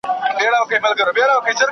¬ د گل د رويه اغزى هم اوبېږي.